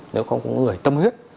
nếu không có con người tâm huyết